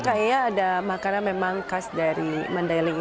kak hiang ada makanan memang khas dari mandailing